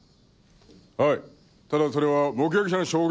はいただそれは目撃者の証言を基に。